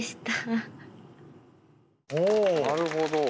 なるほど。